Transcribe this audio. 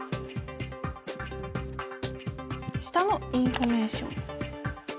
下の「インフォメーション」。